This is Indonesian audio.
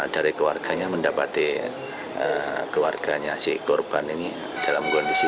dari keluarganya mendapati keluarganya si korban ini dalam kondisi